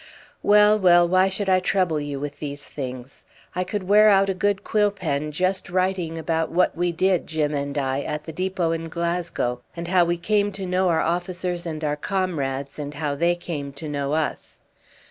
Well, well, why should I trouble you with these things? I could wear out a good quill pen just writing about what we did, Jim and I, at the depot in Glasgow; and how we came to know our officers and our comrades, and how they came to know us.